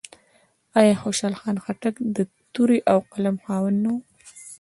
آیا خوشحال خان خټک د تورې او قلم خاوند نه و؟